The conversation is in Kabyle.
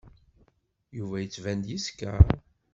Yuba yettban-d yeskeṛ.